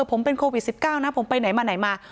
ผมเป็นโควิด๑๙นะผมไปไหนมาไหนมา